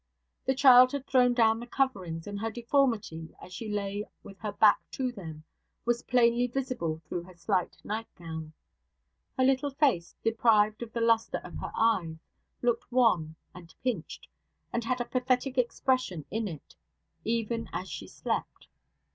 The child had thrown down the coverings, and her deformity, as she lay with her back to them, was plainly visible through her slight nightgown. Her little face, deprived of the lustre of her eyes, looked wan and pinched, and had a pathetic expression in it, even as she slept.